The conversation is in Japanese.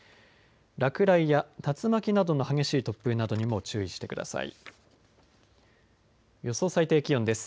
落雷や竜巻などの激しい突風などにも注意してください。